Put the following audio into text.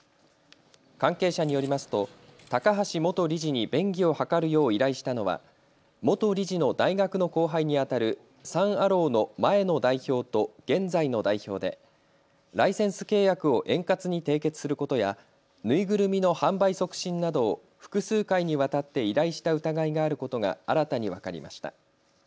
関係者によりますと高橋元理事に便宜を図るよう依頼したのは元理事の大学の後輩にあたるサン・アローの前の代表と現在の代表でライセンス契約を円滑に締結することや縫いぐるみの販売促進などを複数回にわたって依頼した疑いがあることが新たに分かりました。